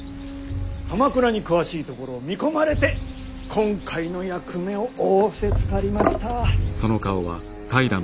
鎌倉に詳しいところを見込まれて今回の役目を仰せつかりました。